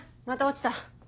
また落ちた。